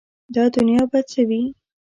دا دنیا به څه وي ؟